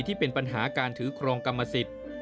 ที่เป็นปัญหาการถือครองกรรมสิทธิ์